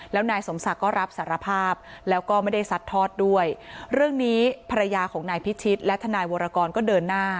แล้วก็ไม่ได้สัดทอดด้วยเรื่องนี้ภรรยาของนายพิชิตและท่านายวรกรก็เดินหน้า